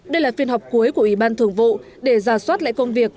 đây là phiên họp cuối của ủy ban thường vụ để giả soát lại công việc